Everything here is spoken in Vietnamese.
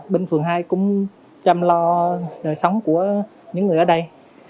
bên phường hai cũng chăm lo đời sống của những người ở đây